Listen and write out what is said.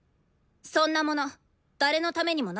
そんなもの誰のためにもならないし。